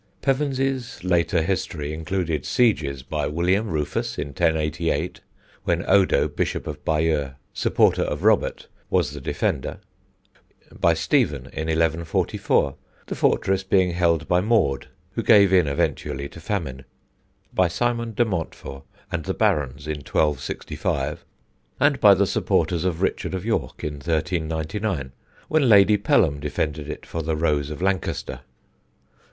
Pevensey's later history included sieges by William Rufus in 1088, when Odo, Bishop of Bayeux, supporter of Robert, was the defender; by Stephen in 1144, the fortress being held by Maude, who gave in eventually to famine; by Simon de Montfort and the Barons in 1265; and by the supporters of Richard of York in 1399, when Lady Pelham defended it for the Rose of Lancaster.